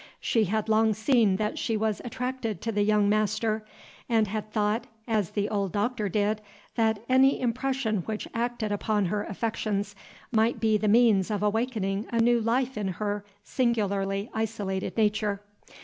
She had long seen that she was attracted to the young master, and had thought, as the old Doctor did, that any impression which acted upon her affections might be the means of awakening a new life in her singularly isolated nature.